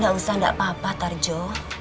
gak usah gak apa apa